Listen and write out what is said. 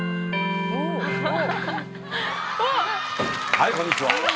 ・はいこんにちは。